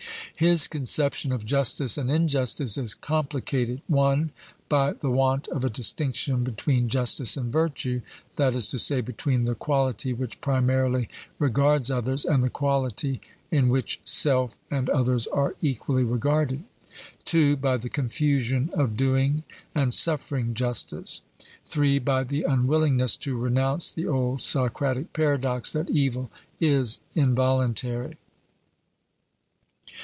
His conception of justice and injustice is complicated (1) by the want of a distinction between justice and virtue, that is to say, between the quality which primarily regards others, and the quality in which self and others are equally regarded; (2) by the confusion of doing and suffering justice; (3) by the unwillingness to renounce the old Socratic paradox, that evil is involuntary.